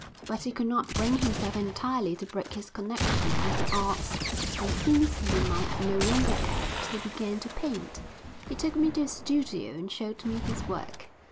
But he could not bring himself entirely to break his connection with the arts and since he might no longer act he began to paint. He took me to his studio and showed me his work.